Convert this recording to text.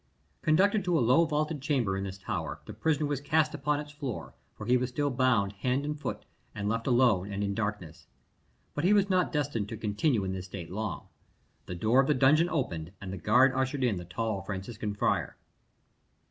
Conducted to a low vaulted chamber in this tower, the prisoner was cast upon its floor for he was still hound hand and foot and left alone and in darkness. But he was not destined to continue in this state long. The door of the dungeon opened, and the guard ushered in the tall Franciscan friar.